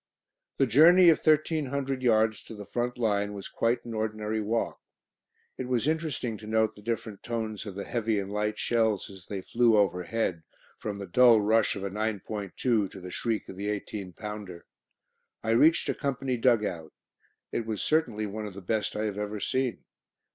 The journey of thirteen hundred yards to the front line was quite an ordinary walk. It was interesting to note the different tones of the heavy and light shells as they flew overhead, from the dull rush of a 9.2 to the shriek of the 18 pounder. I reached a Company dug out. It was certainly one of the best I have ever seen.